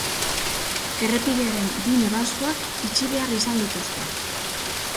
Errepidearen bi noranzkoak itxi behar izan dituzte.